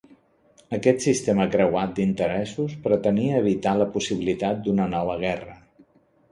Aquest sistema creuat d'interessos pretenia evitar la possibilitat d'una nova guerra.